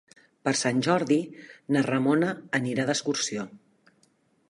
Per Sant Jordi na Ramona anirà d'excursió.